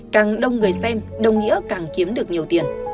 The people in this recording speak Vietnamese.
càng đông người xem đồng nghĩa càng kiếm được nhiều tiền